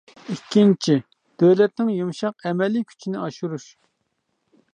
ئىككىنچى، دۆلەتنىڭ يۇمشاق ئەمەلىي كۈچىنى ئاشۇرۇش.